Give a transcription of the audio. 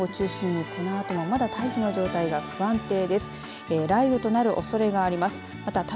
北日本を中心にこのあともまた大気の状態が不安定です。